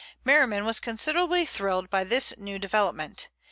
Merriman was considerably thrilled by this new development.